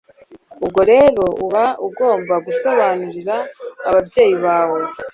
ubwo rero uba ugomba gusobanurira ababyeyi bawe